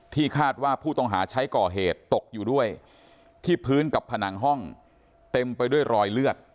คาดว่าผู้ต้องหาใช้ก่อเหตุตกอยู่ด้วยที่พื้นกับผนังห้องเต็มไปด้วยรอยเลือด